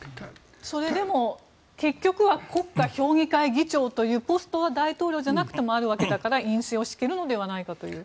それでも結局は国家評議会議長というポストは大統領じゃなくてもあるわけだから院政を敷けるのではないかという。